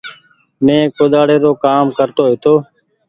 مينٚ ڪوۮاڙي رو ڪآم ڪرتو هيتو